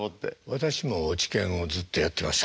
私も落研をずっとやってました。